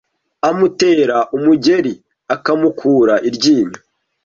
amutera umugeri akamukura iryinyo